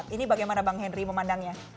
ini bagaimana bang henry memandangnya